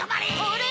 あれ？